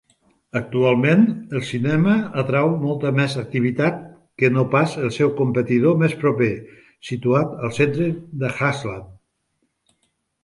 Actualment, el cinema atrau molta més activitat que no pas el seu competidor més proper, situat al centre d'Ashland.